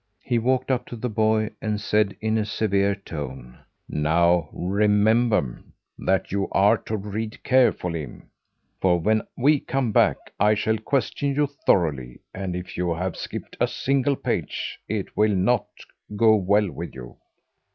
He walked up to the boy, and said in a severe tone: "Now, remember, that you are to read carefully! For when we come back, I shall question you thoroughly; and if you have skipped a single page, it will not go well with you."